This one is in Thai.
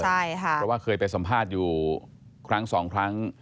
เพราะว่าเคยไปสัมภาษณ์อยู่ครั้งสองครั้ง